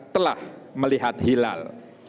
telah melihat hilal